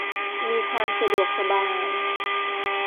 มีความสะดวกสบาย